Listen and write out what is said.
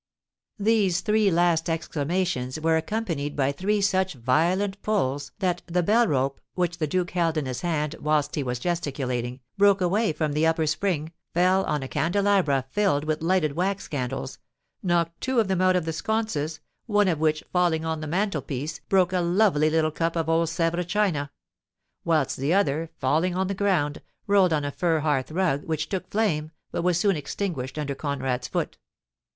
These three last exclamations were accompanied by three such violent pulls that the bell rope, which the duke held in his hand whilst he was gesticulating, broke away from the upper spring, fell on a candelabra filled with lighted wax candles, knocked two of them out of the sconces, one of which, falling on the mantelpiece, broke a lovely little cup of old Sèvres china; whilst the other, falling on the ground, rolled on a fur hearth rug, which took flame, but was soon extinguished under Conrad's foot.